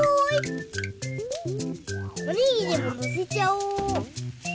おにぎりものせちゃおう。